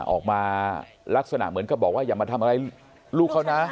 ออกมาลักษณะเหมือนกับบอกว่าอย่ามาทำอะไรลูกเขานะ